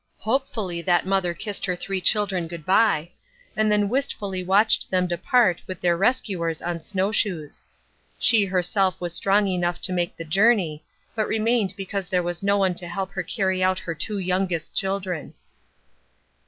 Hopefully, that mother kissed her three children good bye, and then wistfully watched them depart with their rescuers on snowshoes. She herself was strong enough to make the journey, but remained because there was no one to help to carry out her two youngest children.